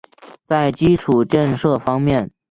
在基础建设方面